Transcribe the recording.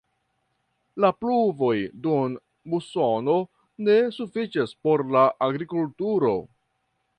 La pluvoj dum musono ne sufiĉas por la agrikulturo.